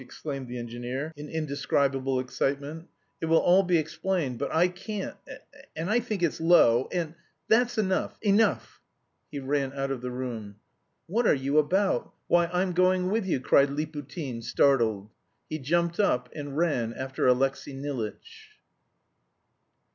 exclaimed the engineer in indescribable excitement. "It will all be explained, but I can't.... And I think it's low.... And that's enough, enough!" He ran out of the room. "What are you about? Why, I'm going with you!" cried Liputin, startled. He jumped up and ran after Alexey Nilitch.